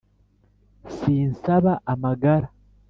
Sinsaba amagara